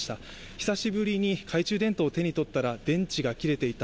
久しぶりに懐中電灯を手に取ったら電池が切れていた。